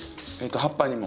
葉っぱにも？